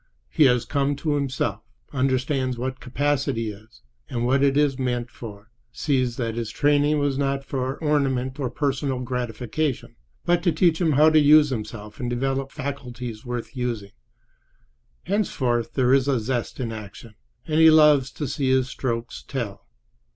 He has come to himself: understands what capacity is, and what it is meant for; sees that his training was not for ornament or personal gratification, but to teach him how to use himself and develop faculties worth using. Henceforth there is a zest in action, and he loves to see his strokes tell.